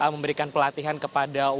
memberikan pelatihan kepada warga